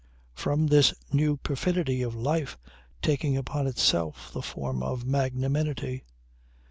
From this new perfidy of life taking upon itself the form of magnanimity.